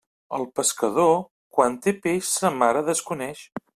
El pescador, quan té peix, sa mare desconeix.